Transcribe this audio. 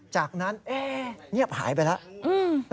จากนั้นเงียบหายไปแล้ว